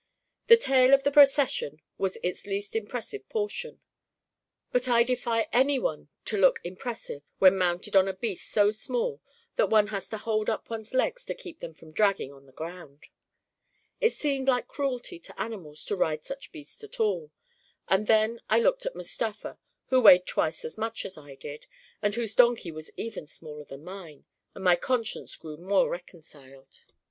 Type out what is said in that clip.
The tail of the procession was its least impressive portion; but I defy any one to look impressive when mounted on a beast so small that one has to hold up IQ4 A KING IN BABf LON 10$ one's legs to keep them from dragging on the ground 1 It seemed like cruelty to animals to ride such beasts at all; and then I looked at Mustafa, who weighed twice as much as' I did *y*d whose donkey was even smaller than mine, and my con science grew more reconciled.